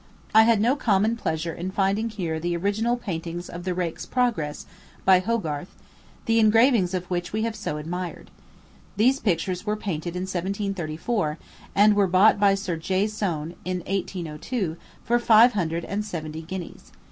I had no common pleasure in finding here the original paintings of the Rake's Progress, by Hogarth, the engravings of which we have so admired. These pictures were painted in 1734, and were bought by Sir J. Soane, in 1802, for five hundred and seventy guineas.